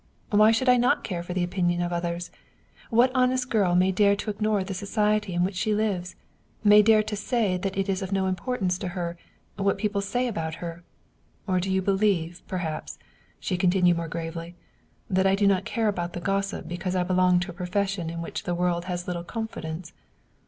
Why should I not care for the opinion of others? What honest girl may dare to ignore the society in which she lives may dare to say that it is of no importance to her what people say about her? Or do you believe, perhaps," she continued more gravely, " that I do not care about the gossip because I belong to a profession in which the world has little confidence?